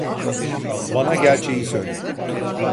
Bana gerçeği söyle!